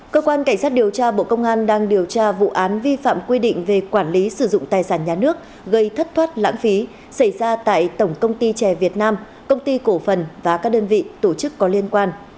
cơ quan cảnh sát điều tra bộ công an đang điều tra vụ án vi phạm quy định về quản lý sử dụng tài sản nhà nước gây thất thoát lãng phí xảy ra tại tổng công ty trẻ việt nam công ty cổ phần và các đơn vị tổ chức có liên quan